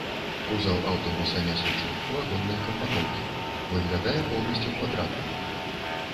Кузаў аўтобуса нясучы, вагоннай кампаноўкі, выглядае поўнасцю квадратным.